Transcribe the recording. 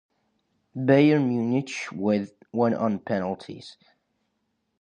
Bayern Munich won on penalties.